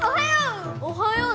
おはよう！